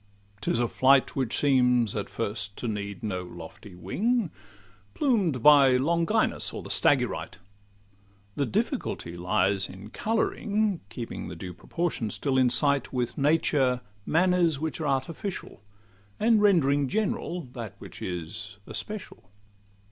'Tis a flight Which seems at first to need no lofty wing, Plumed by Longinus or the Stagyrite: The difficultly lies in colouring (Keeping the due proportions still in sight) With nature manners which are artificial, And rend'ring general that which is especial.